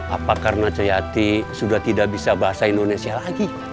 apa karena jayati sudah tidak bisa bahasa indonesia lagi